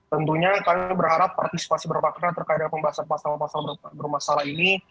tentunya kami berharap partisipasi berpar terkait dengan pembahasan pasal pasal bermasalah ini